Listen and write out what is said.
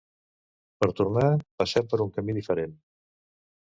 Per tornar passem per un camí diferent.